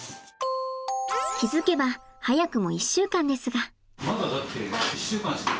気付けば早くも１週間ですが。